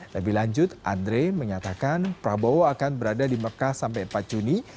lebih lanjut andre menyatakan prabowo akan berada di mekah sampai empat juni